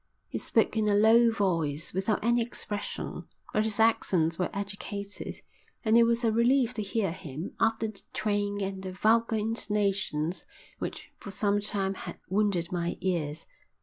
He spoke in a low voice, without any expression, but his accents were educated, and it was a relief to hear him after the twang and the vulgar intonations which for some time had wounded my ears.